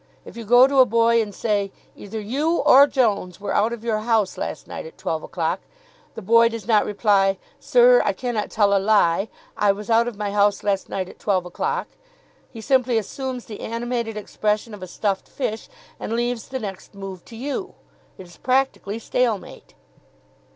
If you go to a boy and say, "Either you or Jones were out of your house last night at twelve o'clock," the boy does not reply, "Sir, I cannot tell a lie I was out of my house last night at twelve o'clock." He simply assumes the animated expression of a stuffed fish, and leaves the next move to you. It is practically Stalemate.